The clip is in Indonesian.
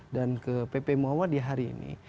dan ke pp muhammadiyah hari ini